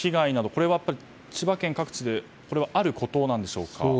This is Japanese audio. これは千葉県各地であることなのでしょうか？